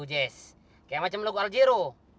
seperti lagu algyro